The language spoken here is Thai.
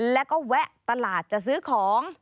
แล้วก็แวะตลาดจะซื้อของ